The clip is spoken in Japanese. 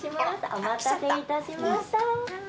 お待たせいたしました。